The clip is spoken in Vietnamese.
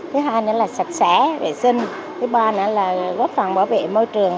thứ hai nữa là sạch sẽ vệ sinh thứ ba nữa là góp phần bảo vệ môi trường